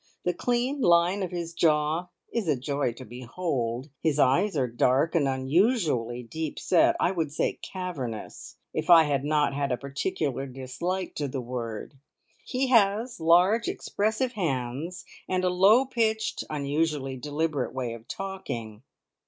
The clean line of his jaw is a joy to behold; his eyes are dark and unusually deep set I would say "cavernous," if I had not a particular dislike to the word. He has large, expressive hands, and a low pitched, unusually deliberate way of talking.